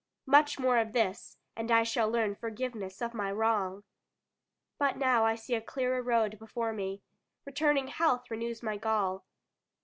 Much more of this, and I shall learn forgiveness of my wrong! But now I see a clearer road before me. Returning health renews my gall.